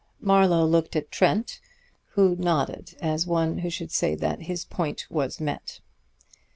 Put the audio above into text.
Marlowe looked at Trent, who nodded as who should say that his point was met.